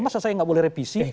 masa saya nggak boleh revisi